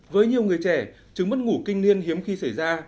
với nhiều người trẻ chứng mất ngủ kinh niên hiếm khi xảy ra